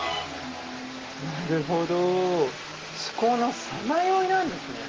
なるほど思考のさまよいなんですね。